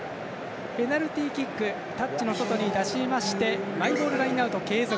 ペナルティキックタッチの外に出しましてマイボールラインアウト継続。